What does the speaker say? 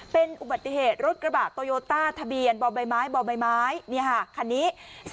เป็นอุบัติเหตุรถกระบะโตโยต้าทะเบียนบ่อใบไม้บ่อใบไม้คันนี้